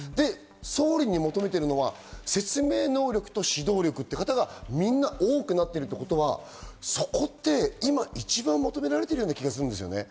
総理に求めてるのが説明能力と指導力っていう方が多くなっているっていうことは、そこって今一番求められているような気がするんですよね。